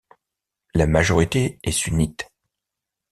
La majorité est sunnite.